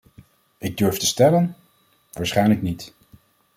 Ik durf te stellen: waarschijnlijk niet.